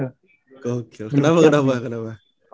gokil kenapa kenapa kenapa